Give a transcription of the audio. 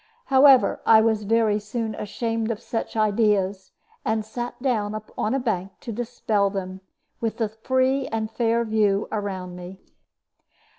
However, I was very soon ashamed of such ideas, and sat down on a bank to dispel them with the free and fair view around me.